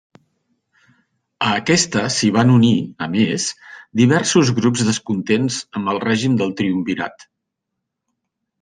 A aquesta s'hi van unir, a més, diversos grups descontents amb el règim del Triumvirat.